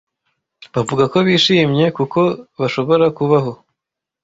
bavuga ko bishimye kuko bashobora kubaho